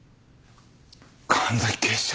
神崎警視長。